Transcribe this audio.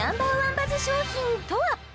バズ商品とは？